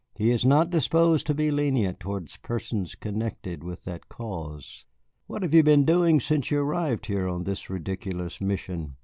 He is not disposed to be lenient towards persons connected with that cause." "What have you been doing since you arrived here on this ridiculous mission?"